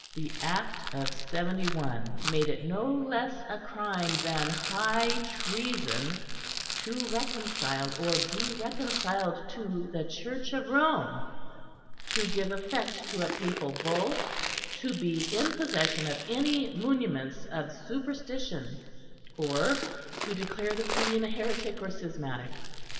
The act of '71 made it no less a crime than High Treason to reconcile or be reconciled to the Church of Rome, to give effect to a Papal Bull, to be in possession of any muniments of superstition, or to declare the Queen a heretic or schismatic.